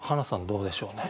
どうでしょうね？